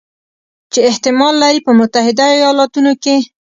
چې احتمال لري په متحدو ایالتونو کې